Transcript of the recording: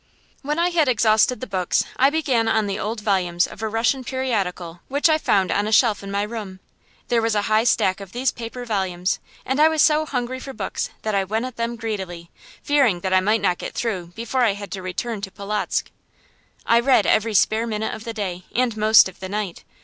When I had exhausted the books, I began on the old volumes of a Russian periodical which I found on a shelf in my room. There was a high stack of these paper volumes, and I was so hungry for books that I went at them greedily, fearing that I might not get through before I had to return to Polotzk. I read every spare minute of the day, and most of the night.